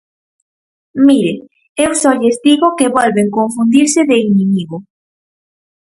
Mire, eu só lles digo que volven confundirse de inimigo.